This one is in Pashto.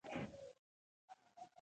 زه د انټرنیټ له لارې فلم ګورم.